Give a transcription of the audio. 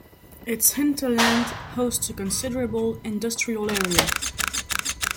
Its hinterland hosts a considerable industrial area.